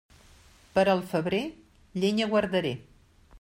Per al febrer, llenya guardaré.